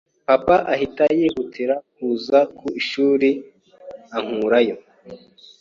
papa ahita yihutira kuza ku ishuri ankurayo